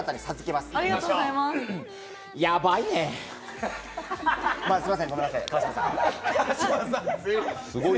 まあ、すいません、ごめんなさい。